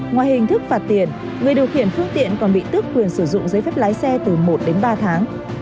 ngoài hình thức phạt tiền người điều khiển phương tiện còn bị tước quyền sử dụng giấy phép lái xe từ một đến ba tháng